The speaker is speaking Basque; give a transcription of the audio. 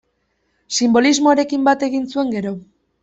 Sinbolismoarekin bat egin zuen gero.